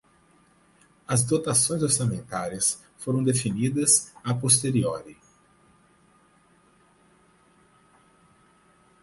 As dotações orçamentárias foram definidas a posteriori